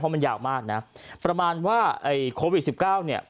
มันยาวมากนะประมาณว่าไอ้โควิดสิบเก้าเนี่ย